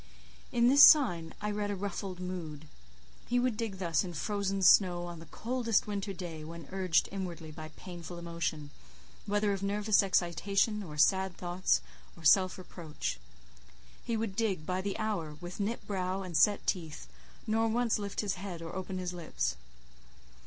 In this sign I read a ruffled mood. He would dig thus in frozen snow on the coldest winter day, when urged inwardly by painful emotion, whether of nervous excitation, or, sad thoughts of self reproach. He would dig by the hour, with knit brow and set teeth, nor once lift his head, or open his lips.